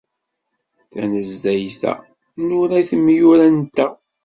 Tanezzayt-a, nura i tnemyura-nteɣ.